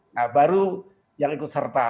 nah baru yang ikut serta